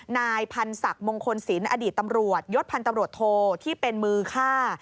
นายพันธ์ศักดิ์มงคลศิลป์อดีตตำรวจยศพันธ์ตำรวจโทที่เป็นมือฆ่า